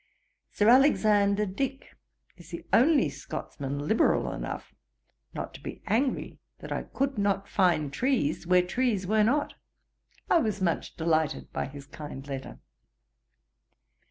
'Sir Alexander Dick is the only Scotsman liberal enough not to be angry that I could not find trees, where trees were not. I was much delighted by his kind letter.